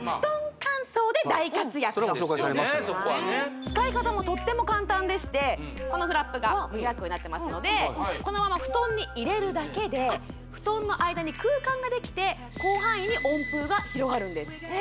乾燥で大活躍とそれは紹介されました使い方もとっても簡単でしてこのフラップが開くようになってますのでこのままふとんに入れるだけでふとんの間に空間ができて広範囲に温風が広がるんですへえ